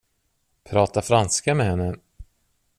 Prata franska med henne.